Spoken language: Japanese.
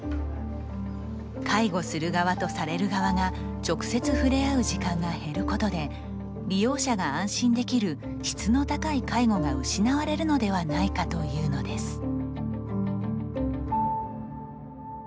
介護する側とされる側が直接触れ合う時間が減ることで利用者が安心できる質の高い介護が失われるのではないかというのです。